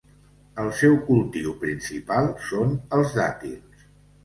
El seu cultiu principal són els dàtils.